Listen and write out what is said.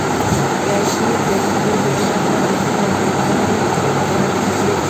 لایکي د ویډیو جوړولو لپاره رنګین اغېزونه وړاندې کوي.